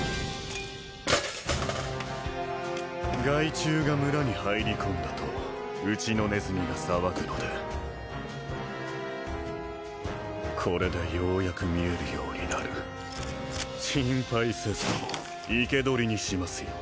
害虫が村に入り込んだとうちのネズミが騒ぐのでこれでようやく見えるようになる心配せずとも生け捕りにしますよ